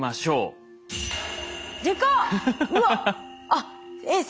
あっえっ